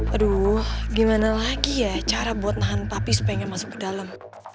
aduh gimana lagi ya cara buat nahan tapi supaya nggak masuk ke dalam